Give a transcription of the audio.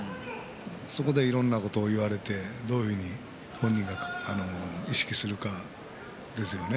そこで、いろんなことを言われてどういうふうに本人が意識するかですよね。